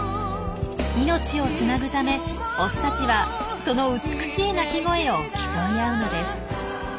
命をつなぐためオスたちはその美しい鳴き声を競い合うのです。